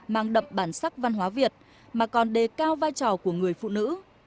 mang đậm bản sắc văn hóa việt mà còn đề cao vai trò của người phụ nữ